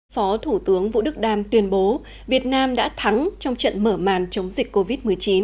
phó thủ tướng vũ đức đam tuyên bố việt nam đã thắng trong trận mở màn chống dịch covid một mươi chín